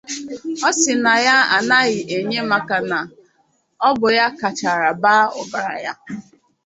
Ọ sị na ya anaghị enye maka na ọ bụ ya kachara ba ọgaranya